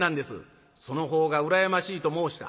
「その方が羨ましいと申した」。